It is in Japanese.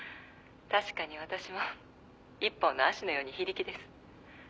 「確かに私も一本の葦のように非力です」